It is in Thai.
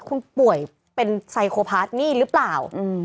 คุณป่วยเป็นไซโคพาร์ทนี่หรือเปล่า